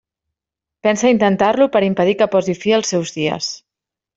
Pensa a internar-lo per impedir que posi fi als seus dies.